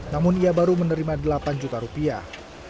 namun ia baru menerima delapan juta rupiah